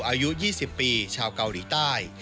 อายุ๒๐ปีชาวเกาหลีใต้